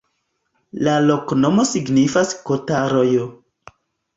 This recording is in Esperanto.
La loknomo signifas: kota-rojo.